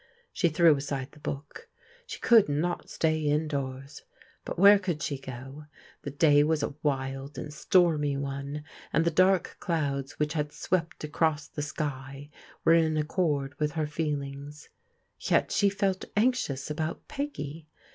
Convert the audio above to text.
She threw aside the book. She could not stay indoors. But where could she go ? The day was a wild and stormy one, and the dark clouds which had swept across the sky were in accord with her feelings. Yes, she felt anxious about Peggy.